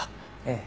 ええ。